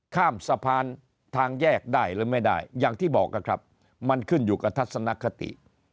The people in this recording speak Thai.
ข้ามสะพานทางแยกได้หรือไม่ได้อย่างที่บอกนะครับมันขึ้นอยู่กับทัศนคติ